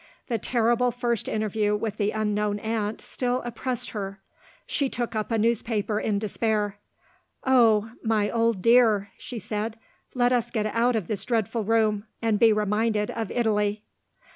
The terrible first interview with the unknown aunt still oppressed her. She took up a newspaper in despair. "Oh, my old dear!" she said, "let us get out of this dreadful room, and be reminded of Italy!"